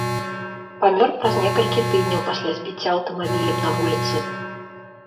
Памёр праз некалькі тыдняў пасля збіцця аўтамабілем на вуліцы.